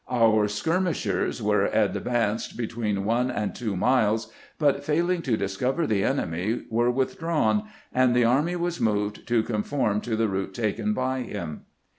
Our skirmishers were advanced between one and two miles, but failing to discover the enemy, were withdrawn, and the army was moved to conform to the route taken by him.